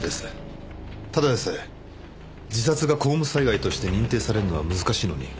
ただでさえ自殺が公務災害として認定されるのは難しいのに。